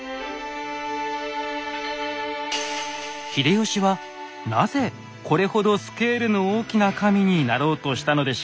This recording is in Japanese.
秀吉はなぜこれほどスケールの大きな神になろうとしたのでしょうか？